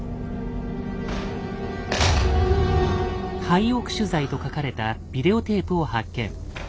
「廃屋取材」と書かれたビデオテープを発見。